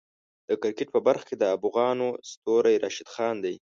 د کرکټ په برخه کې د افغانو ستوری راشد خان دی.